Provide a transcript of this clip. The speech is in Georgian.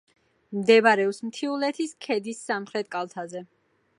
მდებარეობს მთიულეთის ქედის სამხრეთ კალთაზე.